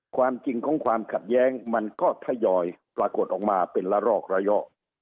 ความจริงของความขัดแย้งมันก็ทยอยปรากฏออกมาเป็นละรอกระยะ